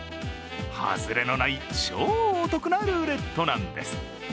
ハズレのない超お得なルーレットなんです。